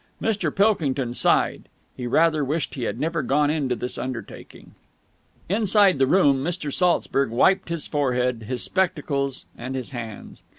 Mr Pilkington sighed. He rather wished he had never gone into this undertaking. Inside the room, Mr. Saltzburg wiped his forehead, his spectacles, and his hands.